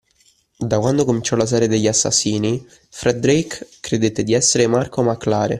Da quando cominciò la serie degli assassinii, Fred Drake credette di essere Marco Mac Lare.